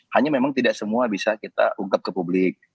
hanya memang tidak semua bisa kita ungkap ke publik